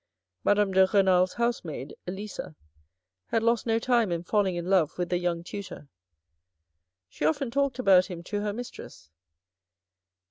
Madame de Renal's housemaid, Elisa, had lost no time in falling in love with the young tutor. She often talked about him to her mistress.